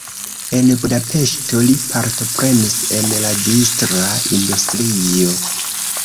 En Budapeŝto li partoprenis en la distra industrio.